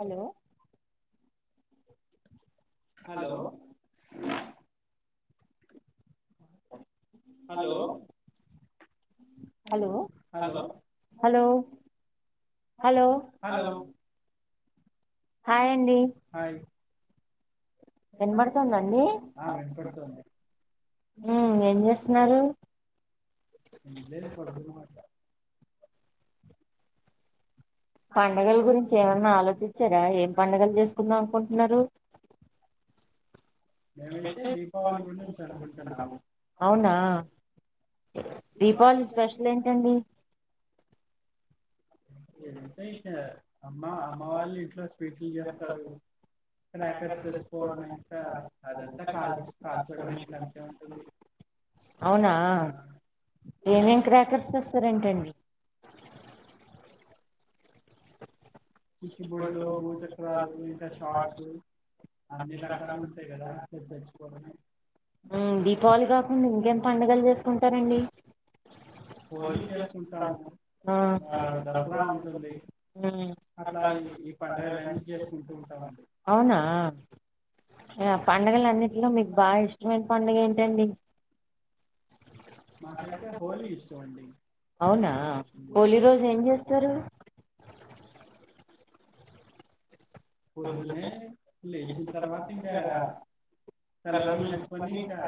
Hello hello hello hello hello hello hi వినబడ్తందండి ఆ వినబడ్తంది ఉమ్ ఏం చేస్తున్నారు. ఏం లేదు పండుకున్నా [unintelligible] పండుగల గురించి ఏమైన్నా ఆలోచించిరా ఏం పడుగలు చేసుకుందాం అనుకుంటున్నరు [inaudible] మేమైతే దీపావళి గురించి అనుకుంటున్నాము. అవునా దీపావళి స్పెషల్ ఏంటండి ఏంటే ఇక అమ్మ అమ్మ వాళ్ళు ఇంట్లో స్వీట్లు చేస్తారు క్రాకర్స్ తెచ్చుకోవడమే ఇంకా అదంతా కాల్చ కాల్చోడం ఇంకా అంతే ఉంటుంది అవునా ఏమేం క్రాకర్స్ తేస్తారెంటండి చిచ్చు బుడ్లు బుచక్రాలు ఇంకా షార్ట్స్ అన్ని రకాలుగ ఉంటాయి కదా పోయి తేచ్చుకోవడమే మ్ దీపావళి కాకుండా ఇంకేం పండుగలు చేసుకుంటారండి ఆ మ్ అవునా ఆ పండుగలన్నింటిలో మీకు బాగా ఇష్టమైన పండుగ ఏంటండి‌ మాకైతే హోలీ ఇష్టం అండి అవునా హోలి రోజు ఏం చేస్తారు పొద్దున్నే లేచిన తర్వాత ఇగ కలర్లు నింపుకోని ఇంకా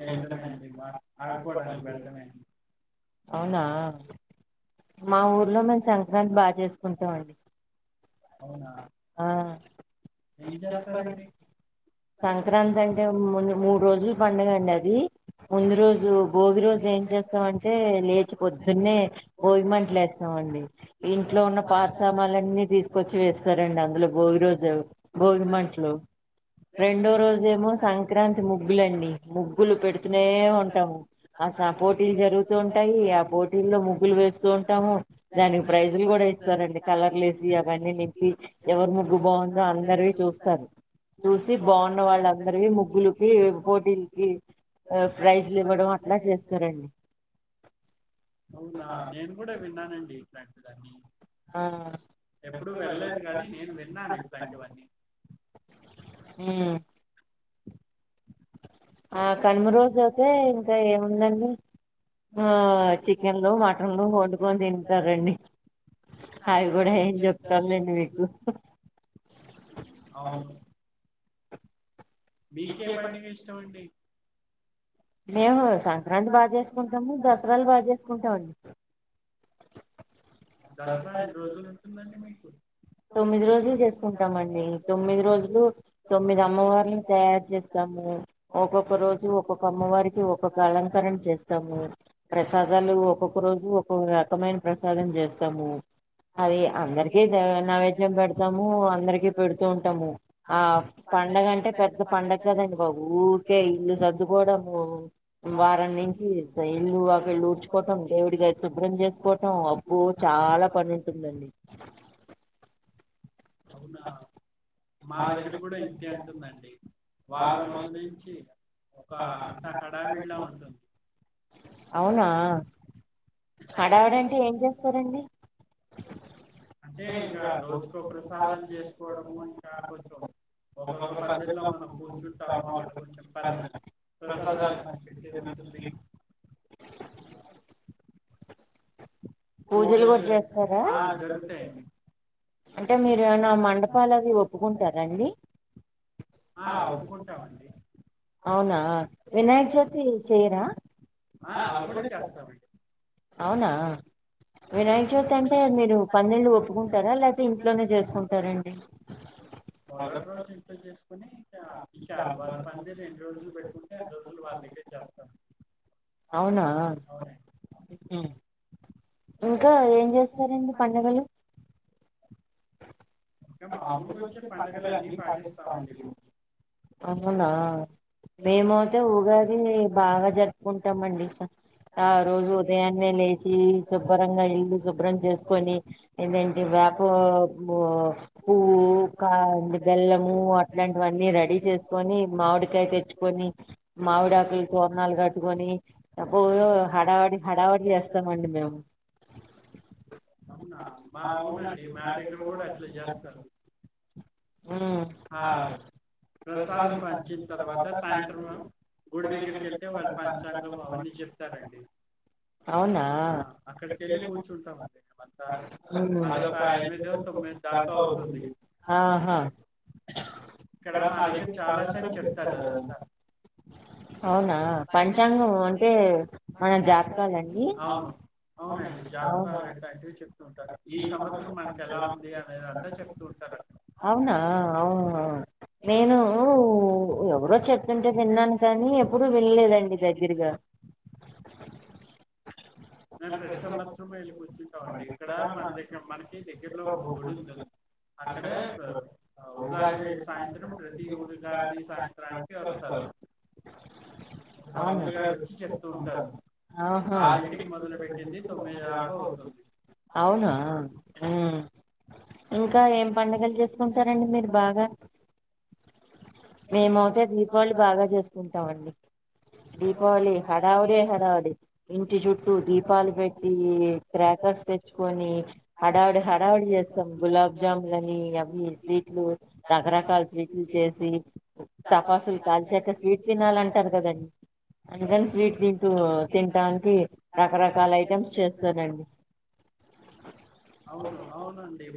వెెల్ళడమే అండి బా ఆడుకోడానికి వెళ్లడమే అవునా మా ఊర్లో మేము సంక్రాంతి బాగా చేసుకుంటామండి అవునా ఆ ఏం చేస్తారండి సంక్రాంతి అంటే ము మూడు రోజుల పండుగ అండి అది ముందు రోజు భోగి రోజు ఏం చేస్తామంటే లేచి పొద్దున్నే భోగిమంటలేస్తామండి ఇంట్లో ఉన్న పాత సామాలన్నీ తీసుకొచ్చి వేస్తారండి అందులో భోగి రోజు భోగి మంటలు రెండో రోజేమో సంక్రాంతి ముగ్గులండి ముగ్గులు పెడుతూనే ఉంటాము ఆ పోటీలు జరుగుతూ ఉంటాయి ఆ పోటీల్లో ముగ్గులు వేస్తూ ఉంటాము దానికి ప్రైజులు కూడా ఇస్తారండి కలర్లు ఎసి అవన్నీ నింపి ఎవరు ముగ్గు బాగుందో అందరివి చూస్తారు ది బాగున్న వాళ్ళందరికి ముగ్గులకి పోటీలకి ఆ ప్రైజ్లు ఇవ్వడం అట్లా చేస్తారండి అవునా నేను కూడా విన్నానండి సంక్రాంతి ఎప్పుడు వెళ్లేదు కాని నేను విన్నాను ఇట్లాంటివన్నీ మ్ ఆ కనుమ రోజు అయితే ఇంకా ఏముందండి ఆ చికెన్లు మటన్లు వండుకొని తింటారండి అయిగూడ ఏం చేప్తం లెండి మీకు అవును మీకే పండుగ ఇష్టం అండి మేము సంక్రాంతి బాగా చేసుకుంటాము దసరాలు బాగా చేసుకుంటామండి దసర ఎన్ని రోజులు ఉంటుందండి మికు తొమ్మిది రోజులు చేసుకుంటామండి తొమ్మిది రోజులు తొమ్మిది అమ్మవార్ని తయారు చేస్తాం ము ఒక్కొక్క రోజు ఒక్కొక్క అమ్మవారికి ఒక్కొక్క అలంకరన చేస్తాము ప్రసాదాలు ఒక్కొక్క రోజు ఒకొక్క రకమైన ప్రసాదం చేస్తాము అది అందరికీ నైవేద్యం పెడుతాము అందరికి పెడుతూ ఉంటాము ఆ పండుగ అంటే పెద్ద పడుగ కదండి బాబు ఊకే ఇల్లు సర్దుకోవడం వారం నుం కి [unintelligible] ఇళ్ళు వాకిళ్ళు ఉడ్చుకోంటం దేవుడి గది సుబ్ శుభ్రం చేసుకోవటం అబ్బో చాలా పని ఉంటుందండి అవునా మా దగ్గర గూడా ఇంతే అంటుందండి. వారం ముందు నుంచీ. ఒకా అంతా హడావిడిలా ఉంటుంది. అవునా హడావుడి అంటే ఏం చేస్తారండి. అంటే ఇంకా రోజు కొక ప్రసాదాలు చేసుకోవడమూ ఇంకా కొంచెం. ఒక్కొక్క పందిరిలో మనం కూర్చుంటాము అక్కడ కొంచెం పద్దా ప్రసాదాలు పంచి పెట్టేది ఉంటుంది. పూజలు గూడా చేస్తారా. అంటే మీరు ఏమన్నా మండపాలు అవి ఒప్పుకుంటారా అండి. ఆ ఒప్పుకుంటాను. అవునా వినాయక చవితీ చెయ్యరా. ఆ అవి గూడ చేస్తామండి. అవునా. వినాయక చవితి అంటే మీరు పందిర్లూ ఒప్పుకుంటారా లే తి ఇంట్లోనే చేసుకుంటారండి. ఇంకా ఇంకా పం పందిర్లూ ఎన్ని రోజులు పెట్టుకుంటే అన్ని రోజులు వాళ్ దగ్గర చేస్తాను. అవునా ఇంకా ఏం చేస్తారండి పండుగలు. మామూలుగ వచ్చే పండగలు అన్నీ పాటిస్తాం [unintelligible] అవునా. మేమవుతే ఊగాదీ బాగా జరుపుకుంటామండి స ఆ రోజు ఉదయాన్నే లేచీ శుబ్బరంగా ఇల్లు శుభ్రం చేసుకొని. ఏందంటే వేపూ పూ పువ్వూ కా బెల్లమూ అట్లాంటివన్నీ రెడీ చేసుకొనీ మావిడికాయ తెచ్చు కొనీ, మావిడాకులు తోరణాలు కట్టుకొనీ అబ్బో హడావుడి, హడావుడి చేస్తామ్ మండి మేము. అవునా మా అవునండి మా దగ్గర గూడా అట్ల చేస్త్ స్తారు. ఆ ఆ ప్రసాదం పంచిన్ తర్వాత సాయంత్రమూ గుడి దగ్గరికి ఎళ్తే వాళ్ళు పంచాంగం అవన్నీ చెప్తారండి. అవునా అక్కడికెళ్ళి కూర్చుంటామండి మేమంతా. అదొక్కా ఎనిమిదో తొమ్మిది దాక కా అవుతుంది. ఆహా ఇక్కడా మా దగ్గర చాలా సేపు చెప్తారు గదా ఇంక అవునా పంచాంగం అంటే మన జాతకాలండీ. అవునండి జాతకాలు అట్లాంటివి చెప్తూంటారు. ఈ సంవత్సరం మనకి ఎలా ఉంది అనేది అ టె చెప్తూంటారు అం అవునా అవు నేనూ ఎవరో చెప్తుంటే విన్నాను కానీ, ఎప్పుడూ విన్లేదండి దగ్గరిగా. [inaudible] ప్రతి సంవత్సరం వెళ్ళి కూర్చుంటాం అండి. ఇక్కడా మన దగ్గర్ మనకీ దగ్గర్లో ఒక గుడి ఉంటుంద్ అక్కడే ఉ ఉగాది సాయంత్రం ప్రతి ఉగాది సాయంత్రానికి స అవునా చెప్పు ఆహా అవునా ఊ ఇంకా ఏం పండగల్ చేసుకుంటారండి మీరు బాగా. మేమవుతే దీపావళి బాగా చేసుకుంటామండి. దీపావళి హడావుడియే హడావుడి. ఇంటి చుట్టూ దీప్ పాళు పెట్టీ, క్రాకర్స్ తెచ్చుకొనీ హడావుడి హడావుడి చేస్తాం. గులాబ్ జామున్ అని అవి స్వీట్లు రకరకాల స్వీట్లు చేసి తపా సలు కాల్చక స్వీట్ తినాలంటారు కదండి అందుకని స్వీట్ తింటు తింటంటి రకరకాల చాలా ఐటమ్స్ చేస్తానండి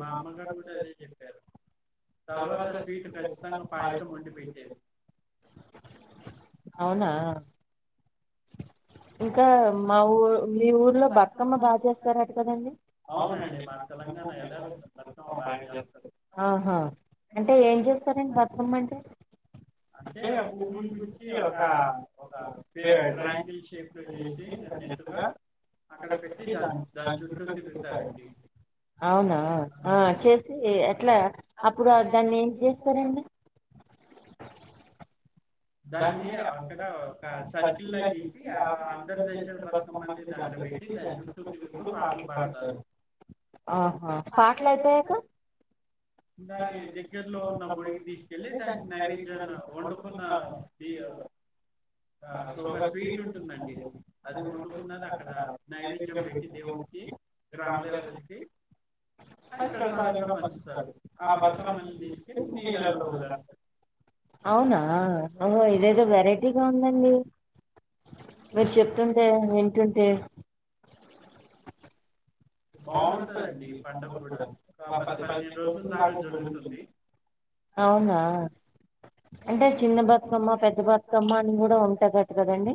మా అమ్మగారు కూడా అదే చెప్పారు తర్వాత స్వీట్ పాయసం [inaudible] అవునా ఇంకా మా ఊ మీ ఊర్లో బతుకమ్మ బాగా చేస్తారట కదండి అవునండీ [unintelligible] ఆహా అంటే ఏం చేస్తారండి బతుకమ్మంటే అంటే పువ్వులు గుచ్చి ఒక ఒక ట్రయాంగిల్ షేప్ చేసి నన్న ఎత్తుగా అక్కడ పెట్టి దాని దాని చుట్టూ తిరుగుతారండి అవునా ఆ చేసి అట్లా అప్పుడు దాన్ని ఏం చేస్తారండి [inaudible] దాన్ని అ సర్కిల్ లా తీసి ఆ అందరూ చేసిన బతుకమ్మని దాన్ని అందులో పెట్టీ దాని చుట్టూ తిరుగుతూ పాటలు పాడుతారు ఆహా పాటలు అయిపోయాక [inaudible] ఇ ఆ సోగా స్వీట్ ఉంటుందండి అది వండుకున్నది అక్కడ నైవేద్యం పెట్టి దేవుడు గ్రామ దేవతలకి అని ప్రసాదంగా పంచుతారు ఆ బతుకమ్మల్ని తీసుకెళ్లి నీళ్ళల్లో వదిలేస్తారు అవునా ో ఇదేదో వెరైటీగా ఉందండి మీరు చెప్తుంటే వింటుంటే బాగుంటదండి కొందరు కూడా మా పది పదిేను రోజులు దక గుంచండి అవునా అంటే చిన్న బతుకమ్మ పెద్ద బతుకమ్మ అని కూడా ఉంటదట కదండీ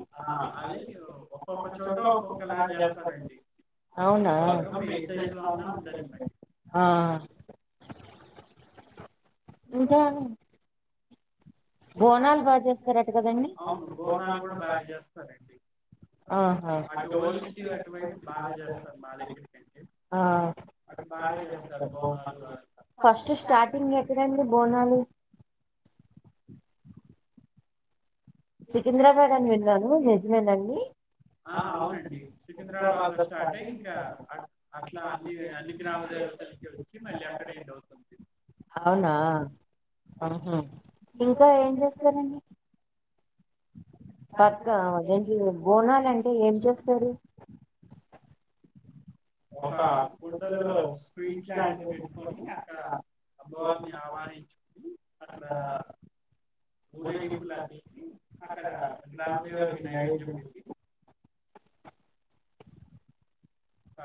ఒక్కొక్క చోట ఒక్కొక్క లా జరుగుతది లేండి అవునా [inaudible] ఆ ఇంకా బోనాలు బాగా చేస్తారంట కదండి అవును బోనాలు కూడా బాగా చేస్తారండి అటు ఓల్డ్ సిటీ అటు వైపు బాగా చేస్తారు మా దగ్గర కంటే బాగానే చేస్తారు బోనాలు ఫస్ట్ స్టార్టింగ్ ఎక్కడండి బోనాలు [inaudible] సికింద్రాబాద్ అని విన్నాను నిజమేనండి ఆ అవునండి సికింద్రాబాద్ లో స్టార్ట్ అయ్యి ఇంకా అట్లా అన్ని అన్ని [unintelligible] వతలికి వచ్చి మళ్ళ అక్కడే ఎండ్ అవుతుంది అవునా ఆహ ఇంకా ఏం చేస్తారండి పక్క అదేంది బోనాలంటే ఏం చేస్తారు ఒక కుండలో స్వీట్ లాంటిది పెట్టుకొని అక్కడ అమ్మవారిని ఆవానించుకుని అక్కడ పూరే ంపులుదసి అక్కడ గ్రామదేవతికి నైవేద్యం పెట్టి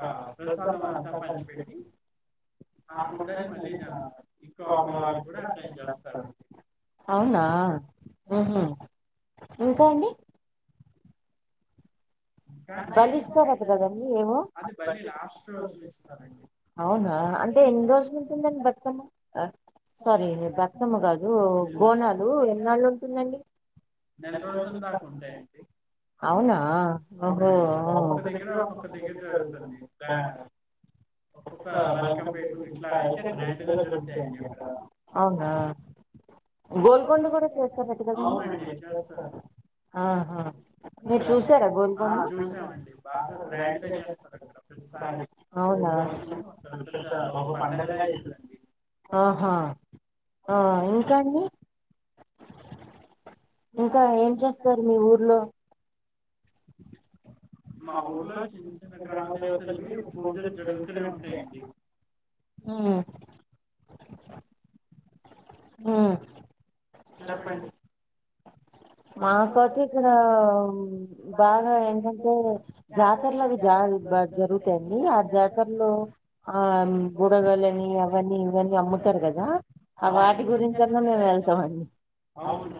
స [unintelligible] అకుంటే మళ్ళీల వాళ్ళకి తోకల్లాగ కూడా అందరూ చేస్తారు అవునా, ఉహు ఇంకా అండి బలి ఇస్తారట కదండి? అది బలి లాస్ట్ రోజుల్లో ఇస్తారండి. అవునా, అంటే ఎన్ని రోజులు ఉంటుందండి బతుకమ్మ? సారీ బతుకమ్మ కాదు బోనాలు ఎన్నాళ్ళు ఉంటుందండి. ఎన్నిరోజులు ఉంటే అన్ని రోజులు అవునా? ఓ! ఒక దగ్గర ఒక్కక్క విధంగా జరుగుతుంది ప్రయాణం ఒక్కొక్క బల్కంపేట అయితే నిండుగా జరుగుతాయండి అక్కడ. అవునా గోల్కొండ కూడా చేస్తారట కదండి? అవునండి చేస్తారు. ఆహా మీరు చూసారా? [inaudible] ఒక పండుగనే అయితాది. ఆహా ఆ ఇంకా అండి [inaudible] ఇంకా ఏం చేస్తారు మీ ఊర్లో? [inaudible] మా ఊర్లో గ్రామ దేవతలువి పూజలు జరుగుతూనే ఉంటాయండి. మ్ చెప్పండి మాకయితే ఇక్కడ బాగా ఎంటంటే? జాతరలు అవి జా జరుగుతాయండి ఆ జాతరలో ఆ బుడగలని అవనీ ఇవనీ అమ్ముతారు కదా, ఆ వాటి గురించి అన్నా మేము వెళ్తామండి. అవును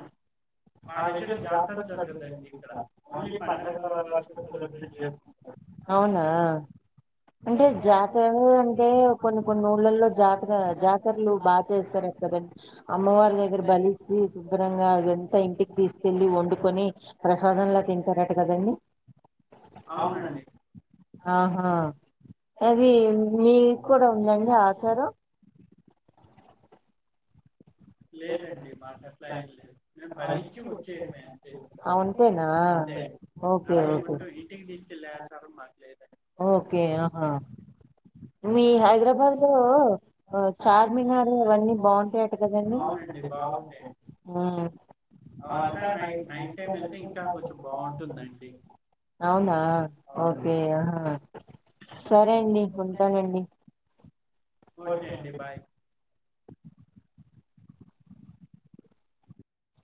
మాదగ్గర జాతర జరుగుతుందండీ ఇంకా ఓన్లీ పండుగ [inaudible] [inaudible] అవునా అంటే జాతరలు అంటే కొన్ని కొన్ని ఊళ్ళల్లో జాతర జాతరలు బాగా చేస్తారండి. అమ్మవారి దగ్గర బలిచ్చి శుభ్రంగా అది ఎంత ఇంటికి తీసుకెళ్ళి వండుకొని ప్రసాదంలా తింటారట కదండి. అవునండి ఆహా! అది మీకు కూడా ఉందాండి ఆచారం. [inaudible] లేదండి మాకు అట్లా ఏం లేదు మేము బలిచ్చి వచ్చేయడమే. అవియి అంటు ఇంటికి తీసుకెళ్ళే ఆచారం మాకు లేదు. మీ హైదరాబాద్ లో చార్మినార్ అవన్నీ బాగుంటాయట అవునండి బాగుంటాయి. మ్ అవంతా నైట్ టైమ్ వెళ్తే ఇంకా కొంచం బాగుంటుంది. అవునా, ఓకే. సరే అండి ఉంటానండి. ఓకే అండి బాయ్